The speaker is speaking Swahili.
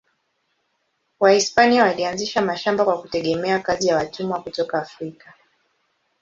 Wahispania walianzisha mashamba kwa kutegemea kazi ya watumwa kutoka Afrika.